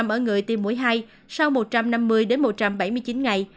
một mươi ba ở người tiêm mũi hai sau một trăm năm mươi đến một trăm bảy mươi chín ngày